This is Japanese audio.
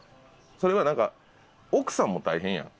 それはなんか奥さんも大変やん。